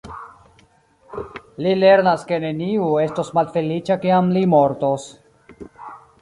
Li lernas ke neniu estos malfeliĉa kiam li mortos.